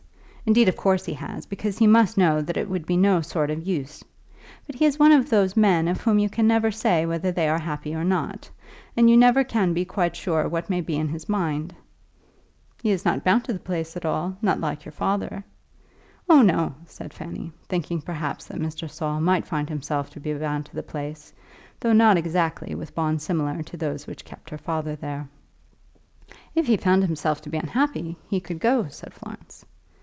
Indeed, of course he has, because he must know that it would be of no sort of use. But he is one of those men of whom you can never say whether they are happy or not; and you never can be quite sure what may be in his mind." "He is not bound to the place at all, not like your father?" "Oh, no," said Fanny, thinking perhaps that Mr. Saul might find himself to be bound to the place, though not exactly with bonds similar to those which kept her father there. "If he found himself to be unhappy, he could go," said Florence.